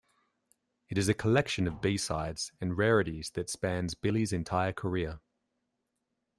It is a collection of B-sides and rarities that spans Billy's entire career.